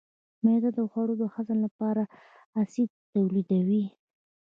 معده د خوړو د هضم لپاره اسید تولیدوي.